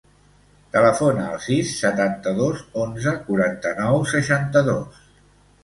Telefona al sis, setanta-dos, onze, quaranta-nou, seixanta-dos.